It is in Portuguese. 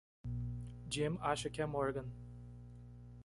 Jim acha que é Morgan.